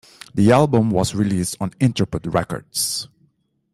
The album was released on Intrepid Records.